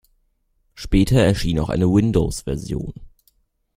Später erschien auch eine Windows-Version.